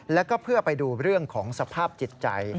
แล้วก็เพื่อไปดูเรื่องของสภาพจิตใจ